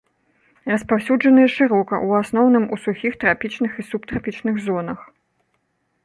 Распаўсюджаныя шырока, у асноўным у сухіх трапічных і субтрапічных зонах.